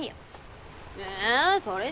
えそれじゃあね。